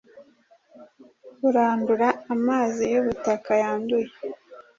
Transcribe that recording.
Kurandura amazi yubutaka yanduye